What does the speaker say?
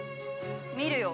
◆見るよ。